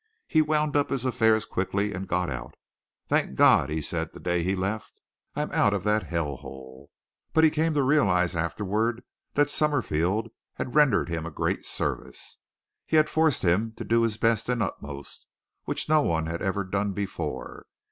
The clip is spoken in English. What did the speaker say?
He wound up his affairs quickly and got out. "Thank God," he said the day he left, "I'm out of that hell hole!" But he came to realize afterward that Summerfield had rendered him a great service. He had forced him to do his best and utmost, which no one had ever done before.